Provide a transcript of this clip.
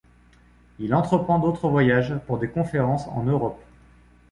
Il entreprend d'autres voyages pour des conférences en Europe.